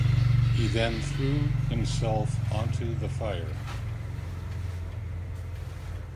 He then threw himself onto the fire.